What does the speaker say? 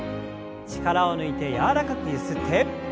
力を抜いて柔らかくゆすって。